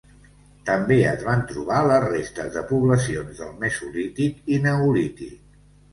També es van trobar les restes de poblacions del mesolític i neolític.